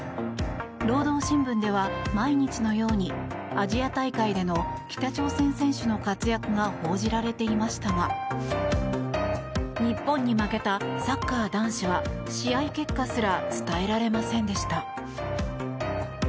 労働新聞では毎日のようにアジア大会での北朝鮮選手の活躍が報じられていましたが日本に負けたサッカー男子は試合結果すら伝えられませんでした。